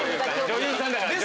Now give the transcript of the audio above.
女優さんだから。